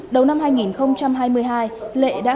đầu năm hai nghìn hai mươi hai lệ đã